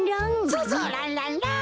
そうそうランランラン！